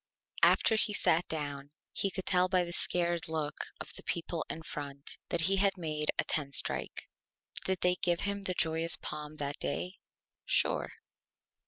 After he sat down he could tell by the Scared Look of the People in Front that he had made a Ten Strike. Did they give him the Joyous Palm that Day? Sure!